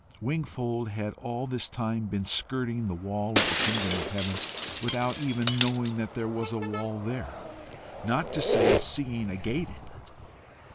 Wingfold had all this time been skirting the wall of the kingdom of heaven without even knowing that there was a wall there, not to say seeing a gate in it.